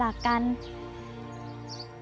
ออกไปเลย